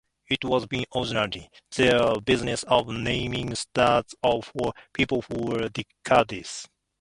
It has been organizing their business of naming stars for people for decades.